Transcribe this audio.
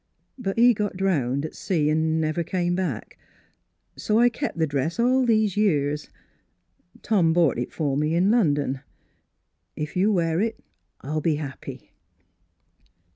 But he got drowned at sea and never come back. So I kept the dress all these years. Tom bought it for me in London. If you'll wear it I'll be happy."